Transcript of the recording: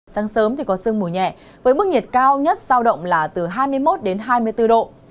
sáng sớm có sương mùi nhẹ với mức nhiệt cao nhất sao động là từ hai mươi một đến hai mươi bốn độ